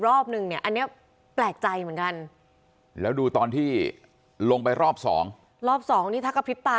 รอบนึงเนี่ยอันเนี่ยแปลกใจเหมือนกันแล้วดูตอนที่ลงไปรอบ๒รอบ๒นึกถักกับคริปตาร์